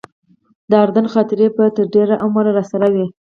د اردن خاطرې به تر ډېره عمره راسره وي.